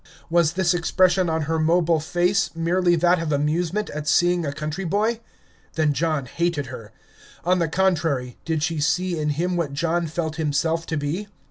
Was this expression on her mobile face merely that of amusement at seeing a country boy? Then John hated her. On the contrary, did she see in him what John felt himself to be?